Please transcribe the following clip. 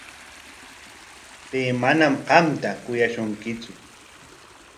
Pay manam qamta kuyashunkitsu.